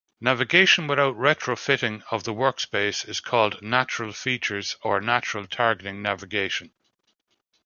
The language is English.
Navigation without retrofitting of the workspace is called Natural Features or Natural Targeting Navigation.